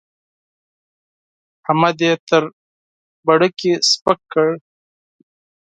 احمد يې تر بڼکې سپک کړ.